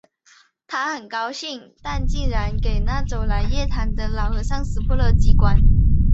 他很高兴；但竟给那走来夜谈的老和尚识破了机关